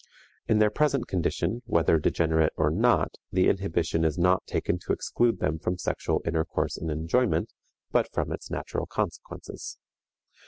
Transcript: In their present condition, whether degenerate or not, the inhibition is not taken to exclude them from sexual intercourse and enjoyment, but from its natural consequences.